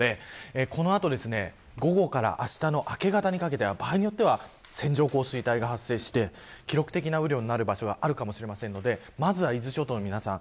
この後、午後からあしたの明け方にかけては場合によっては線状降水帯が発生して、記録的な雨量になる場所があるかもしれませんのでまずは伊豆諸島の皆さん